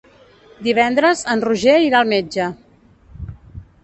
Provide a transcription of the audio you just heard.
Divendres en Roger irà al metge.